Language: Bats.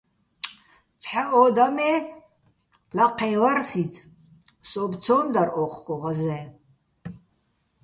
ცჰ̦ა ო და მე́, ლაჴეჼ ვარ სიძ, სოუბო̆ ცო́მ დარ ო́ჴგო ღაზეჼ.